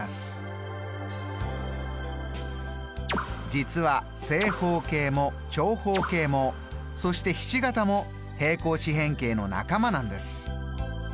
実は正方形も長方形もそしてひし形も平方四辺形の仲間なんです。